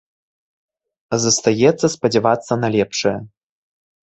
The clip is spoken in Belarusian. Застаецца спадзявацца на лепшае.